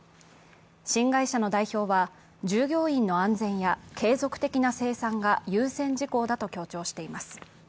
新会社の代表は、従業員の安全や継続的な生産が優先事項だと強調しています。